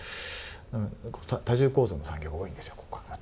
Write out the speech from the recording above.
多重構造の産業が多いんですよ。